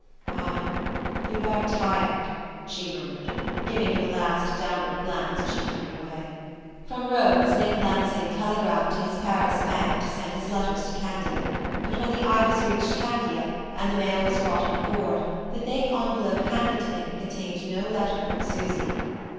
"Ah, you are tired," she murmured, giving him a last downward glance as she turned away. From Rhodes Nick Lansing telegraphed to his Paris bank to send his letters to Candia; but when the Ibis reached Candia, and the mail was brought on board, the thick envelope handed to him contained no letter from Susy.